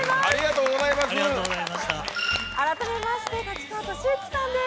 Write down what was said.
改めまして、立川俊之さんです。